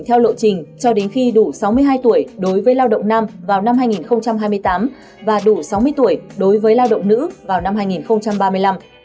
theo lộ trình cho đến khi đủ sáu mươi hai tuổi đối với lao động nam vào năm hai nghìn hai mươi tám và đủ sáu mươi tuổi đối với lao động nữ vào năm hai nghìn ba mươi năm